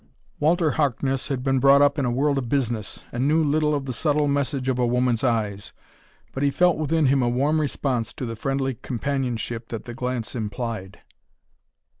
Walter Harkness had been brought up in a world of business, and knew little of the subtle message of a woman's eyes. But he felt within him a warm response to the friendly companionship that the glance implied.